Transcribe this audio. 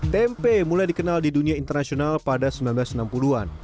tempe mulai dikenal di dunia internasional pada seribu sembilan ratus enam puluh an